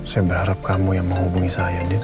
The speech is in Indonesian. saya berharap kamu yang menghubungi saya